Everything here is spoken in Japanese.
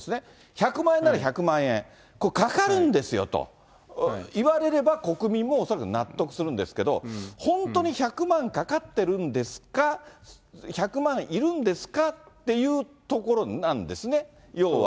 １００万円なら１００万円、かかるんですよと言われれば、国民も恐らく納得するんですけど、本当に１００万かかってるんですか、１００万いるんですかっていうところなんですね、要は。